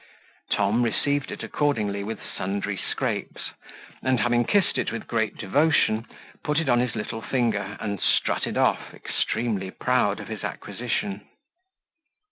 Tom received it accordingly with sundry scrapes; and, having kissed it with great devotion, put it on his little finger, and strutted off, extremely proud of his acquisition.